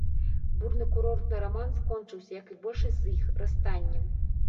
Бурны курортны раман скончыўся, як і большасць з іх, расстаннем.